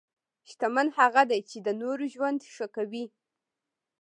شتمن هغه دی چې د نورو ژوند ښه کوي.